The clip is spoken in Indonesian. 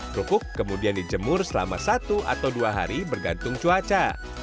kerupuk kemudian dijemur selama satu atau dua hari bergantung cuaca